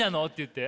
って。